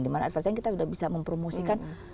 di mana advertising kita udah bisa mempromosikan